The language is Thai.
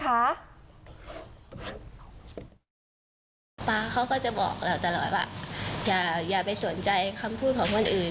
ป๊าเขาก็จะบอกเราตลอดว่าอย่าไปสนใจคำพูดของคนอื่น